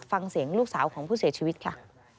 ฟังเสียงลูกสาวของผู้เสียชีวิตค่ะ